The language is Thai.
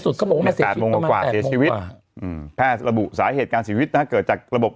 สุดเขาบอกว่าเสร็จชีวิตแพทย์ระบุสาเหตุการชีวิตเกิดจากระบบ